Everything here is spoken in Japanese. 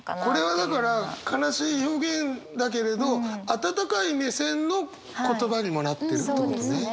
これはだから悲しい表現だけれど温かい目線の言葉にもなってるってことね。